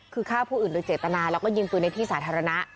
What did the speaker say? คือฆ่าผู้อื่นโดยเจตนาแล้วก็ยิงปืนในที่สาธารณะ